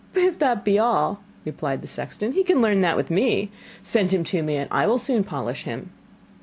'If that be all,' replied the sexton, 'he can learn that with me. Send him to me, and I will soon polish him.